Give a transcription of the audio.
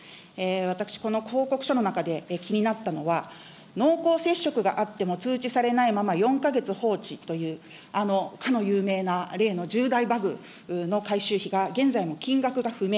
私、この報告書の中で気になったのは、濃厚接触があっても、通知されないまま４か月放置という、あの、かの有名な例の重大バグの改修費が、現在も金額が不明。